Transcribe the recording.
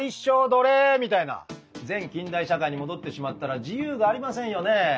前近代社会に戻ってしまったら自由がありませんよねえ。